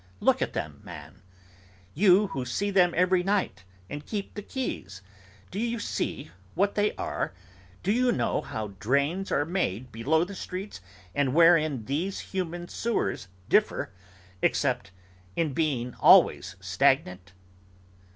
Look at them, man—you, who see them every night, and keep the keys. Do you see what they are? Do you know how drains are made below the streets, and wherein these human sewers differ, except in being always stagnant?